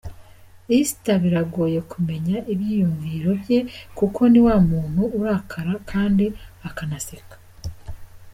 Esther biragoye kumenya ibyiyumviro bye kuko ni wa muntu urakara kandi akanaseka.